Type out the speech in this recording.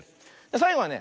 さいごはね